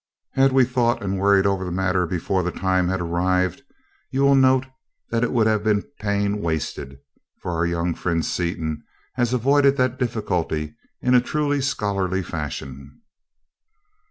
Had we thought and worried over the matter before the time had arrived, you will note that it would have been pain wasted, for our young friend Seaton has avoided that difficulty in a truly scholarly fashion."